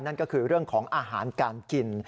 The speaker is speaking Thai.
นั่นก็คือเรื่องของอาหารการกิน